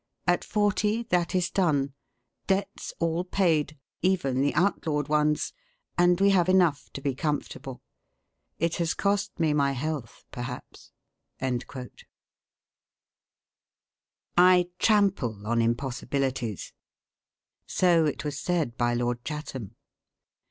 At forty, that is done. Debts all paid, even the outlawed ones, and we have enough to be comfortable. It has cost me my health, perhaps." "I TRAMPLE ON IMPOSSIBILITIES": So it was said by Lord Chatham.